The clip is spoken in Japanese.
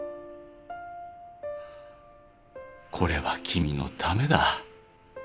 「これは君のためだ」